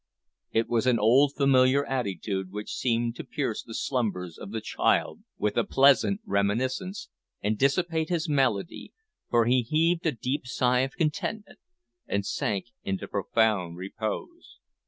It was an old familiar attitude which seemed to pierce the slumbers of the child with a pleasant reminiscence, and dissipate his malady, for he heaved a deep sigh of contentment and sank into profound repose.